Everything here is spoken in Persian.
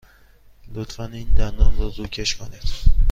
لطفاً این دندان را روکش کنید.